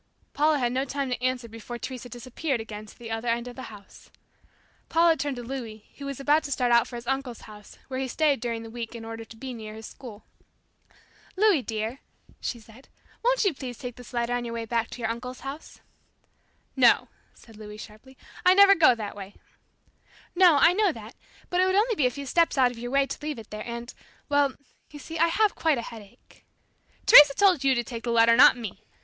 Paula had no time to answer before Teresa disappeared again to the other end of the house. Paula turned to Louis, who was about to start out for his uncle's house, where he stayed during the week in order to be near his school. "Louis dear," she said, "won't you please take this letter on your way back to your uncle's house?" "No," said Louis sharply; "I never go that way." "No, I know that; but it would only be a few steps out of your way to leave it there, and well you see I have quite a headache." "Teresa told you to take the letter, not me.